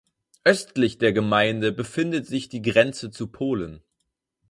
Östlich der Gemeinde befindet sich die Grenze zu Polen.